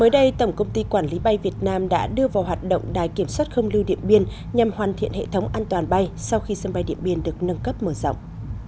mới đây tổng công ty quản lý bay việt nam đã đưa vào hoạt động đài kiểm soát không lưu điện biên nhằm hoàn thiện hệ thống an toàn bay sau khi sân bay điện biên được nâng cấp mở rộng